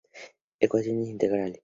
Ecuaciones integrales.